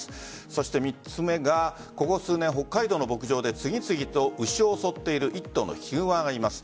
そして３つ目がここ数年、北海道の牧場で次々と牛を襲っている１頭のヒグマがいます。